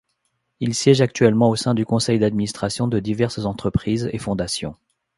Il siège actuellement au sein du conseil d'administration de diverses entreprises et fondations.